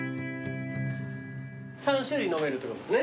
３種類飲めるってことですね。